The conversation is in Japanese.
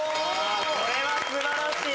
これは素晴らしい。